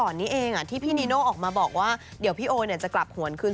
ส่งมาให้โอโนเฟอร์เรเวอร์